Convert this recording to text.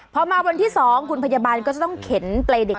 พอมาวันที่๒คุณพยาบาลก็จะต้องเข็นเปรดิต